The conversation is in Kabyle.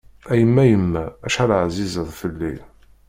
A yemma yemma, acḥal ɛzizeḍ fell-i.